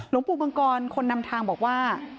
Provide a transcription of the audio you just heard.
หลวงปู่มังกรคนนำทางบอกว่า